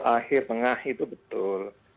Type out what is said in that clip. akhir tengah itu betul